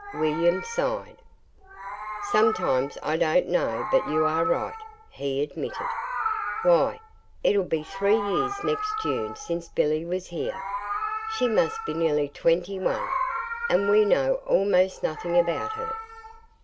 William sighed. "Sometimes I don't know but you are right," he admitted. "Why, it'll be three years next June since Billy was here. She must be nearly twenty one and we know almost nothing about her."